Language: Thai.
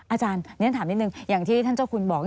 อาจารย์อย่างที่ท่านเจ้าคุณบอก